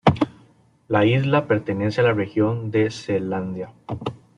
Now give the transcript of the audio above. La isla pertenece a la región de Selandia.